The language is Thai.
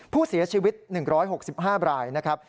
ผู้เสียชีวิต๑๖๕รายนะครับ